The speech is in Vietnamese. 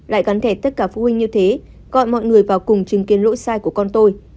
lại gắn thẻ tất cả phụ huynh như thế gọi mọi người vào cùng chứng kiến lỗi sai của con tôi